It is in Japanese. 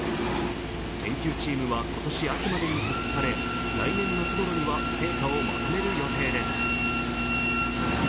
研究チームは今年秋までに設置され、来年夏ごろには成果をまとめる予定です。